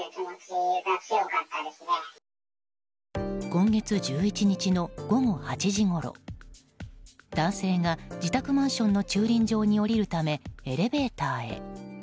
今月１１日の午後８時ごろ男性が自宅マンションの駐輪場に降りるためエレベーターへ。